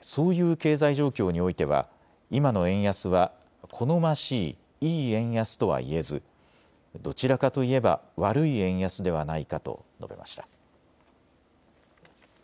そういう経済状況においては今の円安は、好ましいいい円安とは言えずどちらかといえば悪い円安ではないかと述べました。